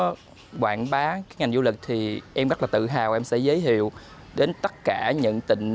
có quảng bá cái ngành du lịch thì em rất là tự hào em sẽ giới hiệu đến tất cả những tỉnh